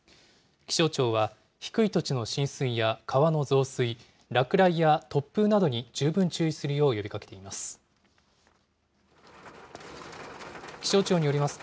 気象庁は低い土地の浸水や川の増水、落雷や突風などに十分注意するよう呼びかけています。